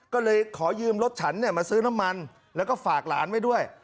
ก็เลยขอยืมรถฉันมาซื้อน้ำมันแล้วก็ฝากหลานไว้ด้วย